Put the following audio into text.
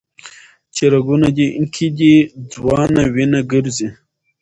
چي رګونو كي دي ځوانه وينه ګرځي